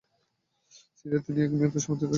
সিনেটে তিনি এক মেয়াদে সভাপতির দায়িত্বও পালন করেন।